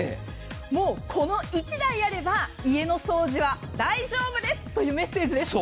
もうこの１台あれば家の掃除は大丈夫ですというメッセージです。